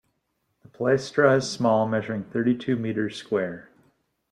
The palaestra is small, measuring thirty-two metres square.